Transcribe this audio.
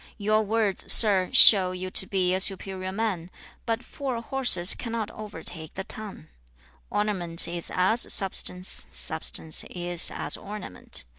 Your words, sir, show you to be a superior man, but four horses cannot overtake the tongue. 3. Ornament is as substance; substance is as ornament.